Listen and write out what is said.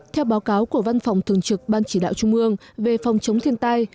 theo báo cáo của văn phòng thường trực ban chỉ đạo trung ương về phòng chống thiên tai